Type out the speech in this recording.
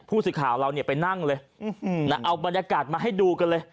ผู้สื่อข่าวเราเนี่ยไปนั่งเลยเอาบรรยากาศมาให้ดูกันเลย